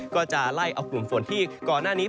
ก็จะไล่เอากลุ่มฝนที่ก่อนหน้านี้